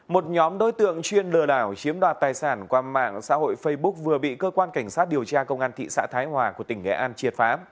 một nhóm đối tượng chuyên lừa đảo chiếm đoạt tài sản qua mạng xã hội facebook vừa bị cơ quan cảnh sát điều tra công an thị xã thái hòa của tỉnh nghệ an triệt phá